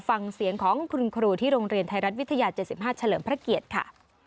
ฟังเสียงของคุณครูที่โรงเรียนไทยรัฐวิทยา๗๕เฉลิมพระเกียรติค่ะ